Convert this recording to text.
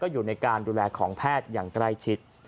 อยู่ในการดูแลของแพทย์อย่างใกล้ชิด